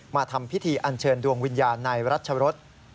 มาทำพิธีอันเชิญดวงวิญญาณในรัชรศ